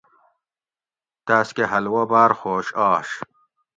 تاۤس کہۤ حلوہ باۤر خوش آش